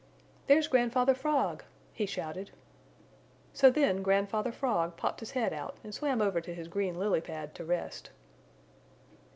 "There's Grandfather Frog!" he shouted. So then Grandfather Frog popped his head out and swam over to his green lily pad to rest.